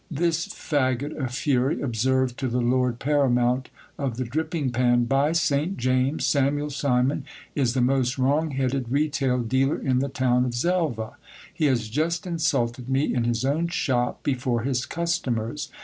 This faggot of fury observed to the lord paramount of the dripping pan : By St James ! Samuel Simon is the most wrong headed retail dealer in the town of Xelva. He has just insulted me in his own shop before his customers.